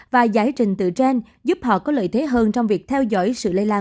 và giải trình tựa gen giúp họ có lợi thế hơn trong việc theo dõi sự lây lan